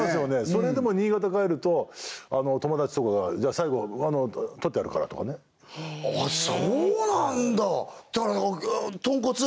それでも新潟帰ると友達とかが「じゃあ最後とってあるから」とかねへえあっそうなんだとんこつ！